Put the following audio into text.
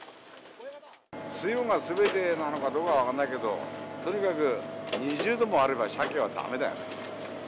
水温がすべてなのかどうかは分からないけど、とにかく２０度もあれば、サケはだめだよね。